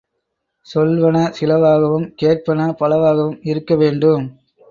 சொல்வன சிலவாகவும் கேட்பன பலவாகவும் இருக்கவேண்டும்.